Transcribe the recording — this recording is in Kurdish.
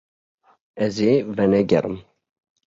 Ez ê venegerim.